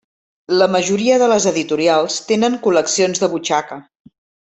La majoria de les editorials tenen col·leccions de butxaca.